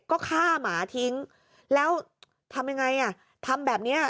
ก็ฆ่าหมาทิ้งแล้วทำยังไงอ่ะทำแบบเนี้ย